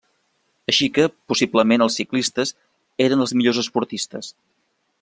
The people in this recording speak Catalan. Així que, possiblement els ciclistes, eren els millors esportistes.